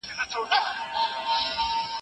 زه د خپلو وېښتانو په مینځلو بوخت یم.